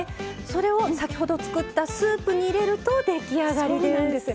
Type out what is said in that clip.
それを先ほど作ったスープに入れると出来上がりです。